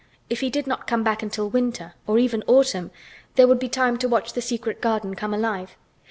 If he did not come back until winter, or even autumn, there would be time to watch the secret garden come alive.